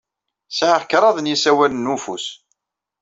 Sɛiɣ kraḍ n yisawalen n ufus.